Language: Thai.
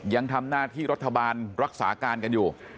ยังทำหน้าที่รัฐบาลรักษาการกันอยู่